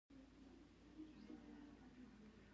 د هرات په کشک رباط سنګي کې تیل شته.